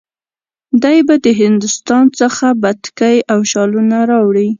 دی به د هندوستان څخه بتکۍ او شالونه راوړي.